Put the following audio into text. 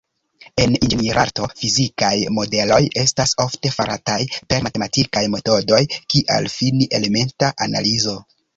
En inĝenierarto, fizikaj modeloj estas ofte farataj per matematikaj metodoj kiaj fini-elementa analizo.